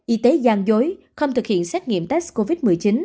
y tế gian dối không thực hiện xét nghiệm test covid một mươi chín